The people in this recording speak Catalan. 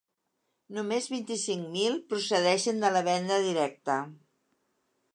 Només vint-i-cinc mil procedeixen de la venda directa.